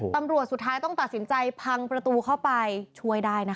สุดท้ายต้องตัดสินใจพังประตูเข้าไปช่วยได้นะคะ